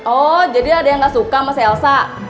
oh jadi ada yang gak suka sama si elsa